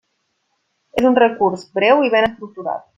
És un recurs breu i ben estructurat.